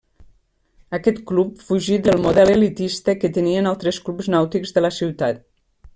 Aquest club fugí del model elitista que tenien altres clubs nàutics de la ciutat.